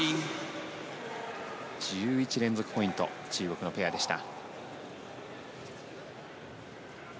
１１連続ポイントを取った中国ペアでした。